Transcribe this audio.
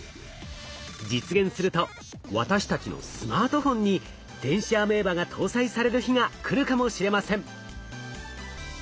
実現すると私たちのスマートフォンに電子アメーバが搭載される日が来るかもしれません。